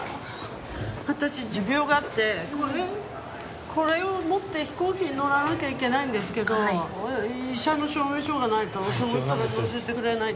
私持病があってこれこれを持って飛行機に乗らなきゃいけないんですけど医者の証明書がないとこの人が乗せてくれないって。